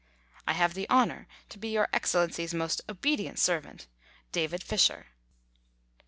I have the honour to be Your Excellency's Most obedient servant, DAVID FISHER.